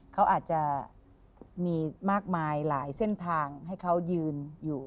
เขาอาจจะมีมากมายหลายเส้นทางให้เขายืนอยู่